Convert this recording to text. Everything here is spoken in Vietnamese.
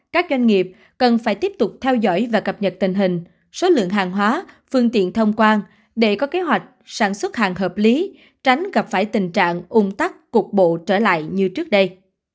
các doanh nghiệp cần phải tiếp tục theo dõi và cập nhật tình hình số lượng hàng hóa phương tiện thông quan để có kế hoạch sản xuất hàng hợp lý tránh gặp phải tình trạng ung tắc cục bộ trở lại như trước đây